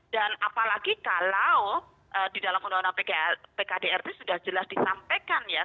dan apalagi kalau di dalam undang undang pkdrt sudah jelas disampaikan ya